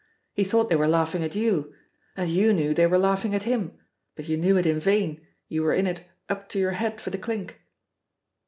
He thought they were laughing at you, and you knew they were laughing at him, but you knew it in vain, you were in it up to your head for the clink."